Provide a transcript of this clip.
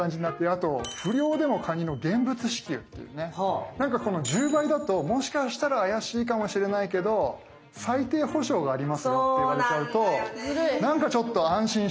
あと不漁でもカニの現物支給というねなんかこの１０倍だともしかしたら怪しいかもしれないけど最低保証がありますって言われちゃうと何かちょっと安心しちゃう。